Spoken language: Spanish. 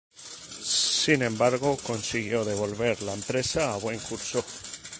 Sin embargo, consiguió devolver la empresa a buen curso.